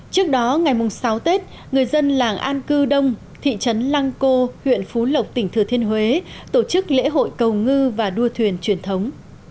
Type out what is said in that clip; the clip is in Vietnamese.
trước đó ngày sáu tết người dân làng an cư đông thị trấn lăng cô huyện phú lộc tỉnh thừa thiên huế tổ chức lễ hội cầu ngư và đua thuyền truyền thống